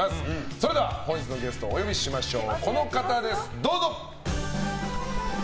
それでは、本日のゲストをお呼びしましょう。